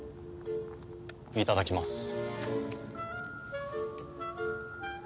いただきます。